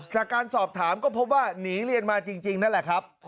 จากการสอบถามก็พบว่าหนีเรียนมาจริงนั่นแหละครับ